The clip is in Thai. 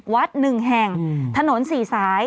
๑แห่งถนน๔สาย